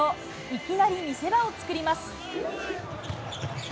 いきなり見せ場を作ります。